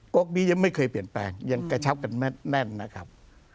ก๊กนี้ยังไม่เคยเปลี่ยนแปลงยังกระชับกันแน่นนะครับ